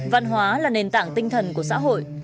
văn hóa là nền tảng tinh thần của xã hội